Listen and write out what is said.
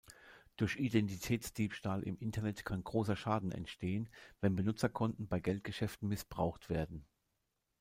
Durch Identitätsdiebstahl im Internet kann großer Schaden entstehen, wenn Benutzerkonten bei Geldgeschäften missbraucht werden.